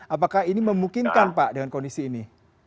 apakah ini memungkinkan pak dengan kondisi ini